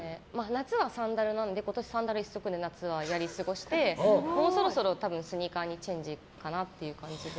夏はサンダルなので今年サンダル１足でやり過ごして、もうそろそろスニーカーにチェンジかなという感じで。